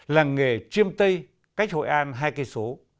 làng nghề chiêm tây cách hội an hai km